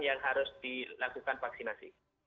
yang harus dilakukan vaksinasi